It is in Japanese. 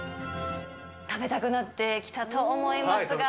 食べたくなってきたと思いますが。